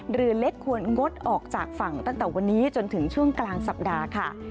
เรือเล็กควรงดออกจากฝั่งตั้งแต่วันนี้จนถึงช่วงกลางสัปดาห์ค่ะ